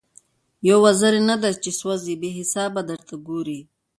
یو وزر نه دی چي سوځي بې حسابه درته ګوري